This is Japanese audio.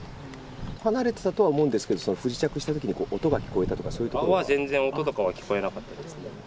離れてたとは思うんですけど、不時着したときに音が聞こえたと全然音とかは聞こえなかったですね。